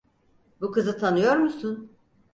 Bu kızı tanıyor musun?